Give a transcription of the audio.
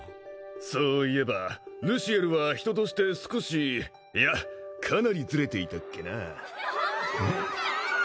そういえばルシエルは人として少しいやかなりずれていたっけな